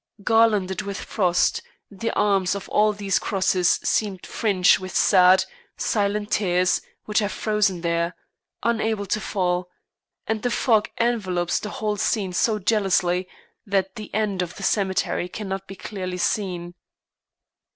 Garlanded with frost, the arms of all these crosses seem fringed with sad, silent tears which have frozen there, unable to fall, and the fog envelops the whole scene so jealously that the end of the cemetery cannot be clearly seen.